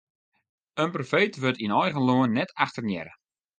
In profeet wurdt yn eigen lân net achtenearre.